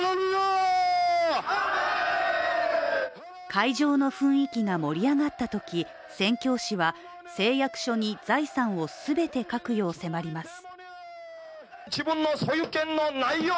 会場の雰囲気が盛り上がったとき、宣教師は誓約書に財産を全て書くよう迫ります。